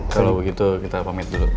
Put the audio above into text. kalau begitu kita pamit dulu